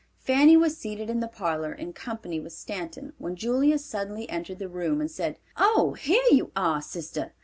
Fanny was seated in the parlor in company with Stanton when Julia suddenly entered the room and said, "Oh, here you are, sister.